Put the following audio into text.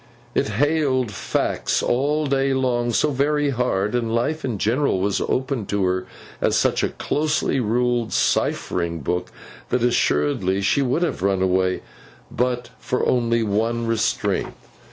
It hailed facts all day long so very hard, and life in general was opened to her as such a closely ruled ciphering book, that assuredly she would have run away, but for only one restraint.